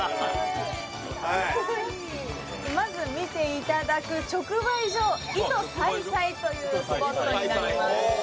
まず見ていただく直売所伊都菜彩というスポットになります。